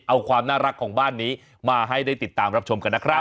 เอาความน่ารักของบ้านนี้มาให้ได้ติดตามรับชมกันนะครับ